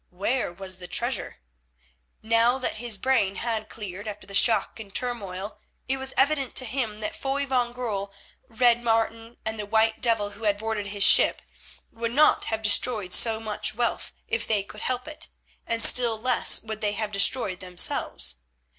Where was the treasure? Now that his brain had cleared after the shock and turmoil it was evident to him that Foy van Goorl, Red Martin, and the white devil who had boarded his ship, would not have destroyed so much wealth if they could help it, and still less would they have destroyed themselves.